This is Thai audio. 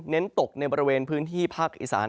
เน้นตกในบริเวณพื้นที่ภาคอีสาน